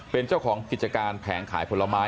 เป็นเจ้าของกิจการแผงขายผลไม้